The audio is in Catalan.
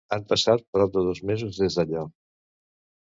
Han passat prop de dos mesos des d'allò.